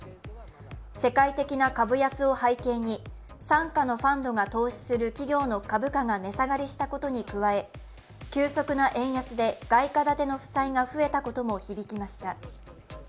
世界的な株安を背景に、傘下のファンドが投資する企業の株価が値下がりしたことに加え急速な円安で外貨建ての負債が増えたことも響きました。